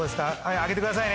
上げてくださいね